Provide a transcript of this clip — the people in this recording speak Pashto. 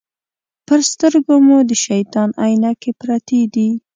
پر سترګو مو د شیطان عینکې پرتې دي.